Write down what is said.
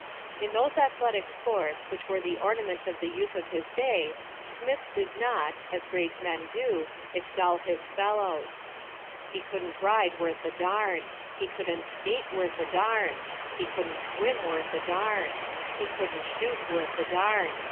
In those athletic sports which were the ornament of the youth of his day, Smith did not, as great men do, excel his fellows. He couldn't ride worth a darn. He couldn't skate worth a darn. He couldn't swim worth a darn. He couldn't shoot worth a darn.